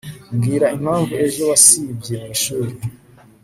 mbwira impamvu ejo wasibye mwishuri